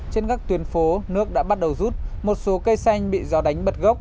trên các tuyến phố nước đã bắt đầu rút một số cây xanh bị do đánh bật gốc